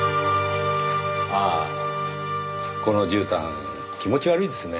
ああこの絨毯気持ち悪いですね。